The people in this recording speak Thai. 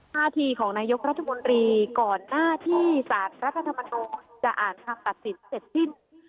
ท่าทีของนายกรัฐมนตรีก่อนหน้าที่สารรัฐธรรมนูญจะอ่านคำตัดสินเสร็จสิ้น